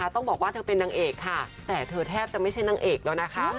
ต้องบอกว่าเธอเป็นนางเอกค่ะแต่เธอแทบจะไม่ใช่นางเอกแล้วนะคะ